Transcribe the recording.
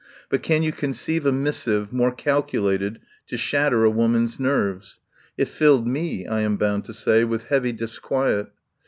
But can you conceive a mis sive more calculated to shatter a woman's nerves? It filled me, I am bound to say, with heavy disquiet.